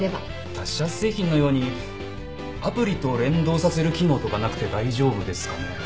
他社製品のようにアプリと連動させる機能とかなくて大丈夫ですかね？